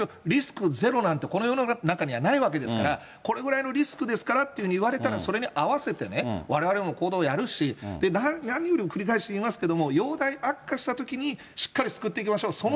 リスクゼロなんてこの世の中にはないわけですから、これぐらいのリスクですからっていうふうに言われたらそれに合わせてね、われわれも行動をやるし、何より繰り返し言いますけど、容体悪化したときにしっかり救っていきましょう。